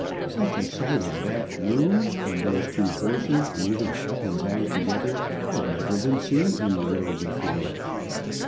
Such a sight as that groom and those two horses moving up and down together had never been seen in the Row before.